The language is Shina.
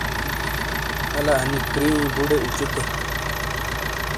الا انی کریئی بوڑے اچوتے ۔